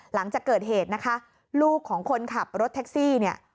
หลังจากเกิดเหตุนะคะลูกของคนขับรถแท็กซี่เนี่ย